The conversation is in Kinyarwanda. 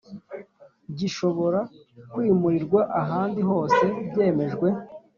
Gishobora kwimurirwa ahandi hose byemejwe